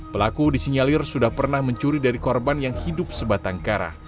pelaku disinyalir sudah pernah mencuri dari korban yang hidup sebatang kara